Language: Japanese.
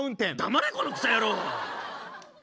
黙れこのクソ野郎！